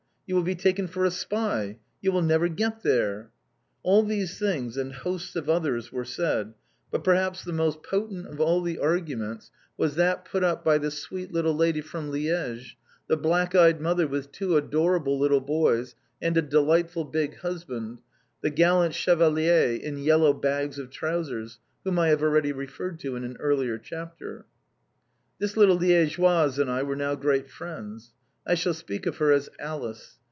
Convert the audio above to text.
"You will be taken for a spy!" "You will never get there!" All these things, and hosts of others, were said, but perhaps the most potent of all the arguments was that put up by the sweet little lady from Liège, the black eyed mother with two adorable little boys, and a delightful big husband the gallant chevalier, in yellow bags of trousers, whom I have already referred to in an earlier chapter. This little Liègeoise and I were now great friends; I shall speak of her as Alice.